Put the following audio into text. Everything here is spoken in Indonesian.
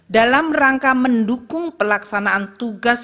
dalam rangka mendukung pelaksanaan tugas